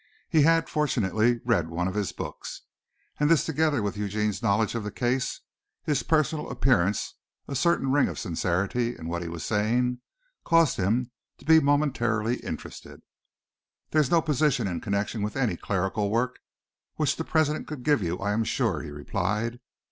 He had, fortunately, read one of his books, and this together with Eugene's knowledge of the case, his personal appearance, a certain ring of sincerity in what he was saying, caused him to be momentarily interested. "There is no position in connection with any clerical work which the president could give you, I am sure," he replied.